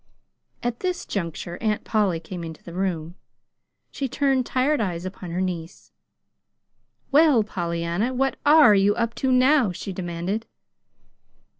At this juncture Aunt Polly came into the room. She turned tired eyes upon her niece. "Well, Pollyanna, what ARE you up to now?" she demanded.